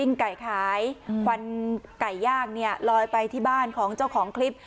แล้วว่ามีใครขายขวัญไก่ยากนี่ลอยไปที่บ้านของเจ้าของคลิป